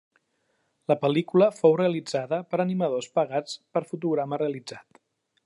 La pel·lícula fou realitzada per animadors pagats per fotograma realitzat.